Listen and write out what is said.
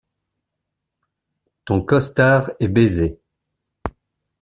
Ton costard est baisé.